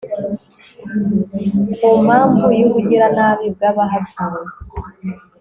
ku mpamvu y'ubugiranabi bw'abahatuye